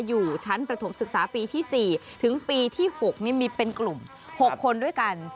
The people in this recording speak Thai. อยู่ชั้นประถมศึกษาปีที่๔ถึงปีที่๖มีเป็นกลุ่ม๖คนด้วยกัน